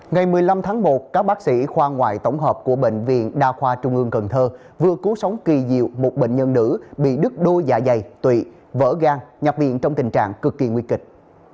ngày một mươi năm tháng một các bác sĩ khoa ngoại tổng hợp của bệnh viện đa khoa trung ương cần thơ vừa cứu sống kỳ diệu một bệnh nhân nữ bị đứt đôi dạ dày tụy vỡ gan nhập viện trong tình trạng cực kỳ nguy kịch